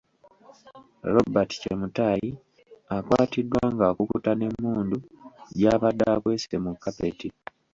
Robert Chemutai akwatiddwa ng'akukuta n'emmundu gy'abadde akwese mu kapeti.